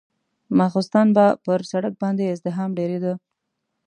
ماخستن به پر سړک باندې ازدحام ډېرېده.